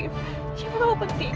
siapa kalau penting